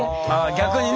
逆にね。